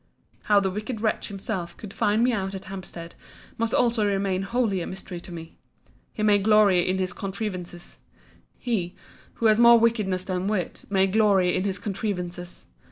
How the wicked wretch himself could find me out at Hampstead, must also remain wholly a mystery to me. He may glory in his contrivances—he, who has more wickedness than wit, may glory in his contrivances!